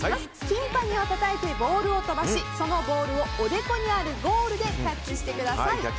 ティンパニをたたいてボールを飛ばしそのボールを、おでこにあるゴールでキャッチしてください。